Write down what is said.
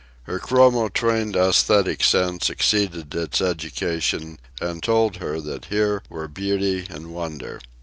Her chromo trained aesthetic sense exceeded its education and told her that here were beauty and wonder.